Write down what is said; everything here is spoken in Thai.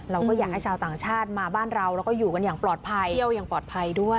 เราก็อยากให้ชาวต่างชาติมาบ้านเราแล้วก็อยู่กันอย่างปลอดภัยเที่ยวอย่างปลอดภัยด้วย